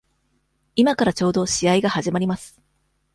今からちょうど試合が始まります。